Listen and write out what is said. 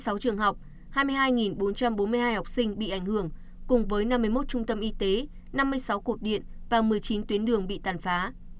trong sáu trường học hai mươi hai bốn trăm bốn mươi hai học sinh bị ảnh hưởng cùng với năm mươi một trung tâm y tế năm mươi sáu cột điện và một mươi chín tuyến đường bị tàn phá